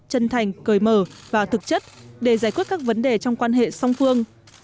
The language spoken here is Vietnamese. chân thành cởi mở và thực chất để giải quyết các vấn đề trong quan hệ song phương